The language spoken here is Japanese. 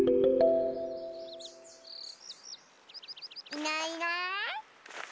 いないいない。